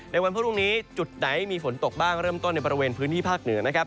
วันพรุ่งนี้จุดไหนมีฝนตกบ้างเริ่มต้นในบริเวณพื้นที่ภาคเหนือนะครับ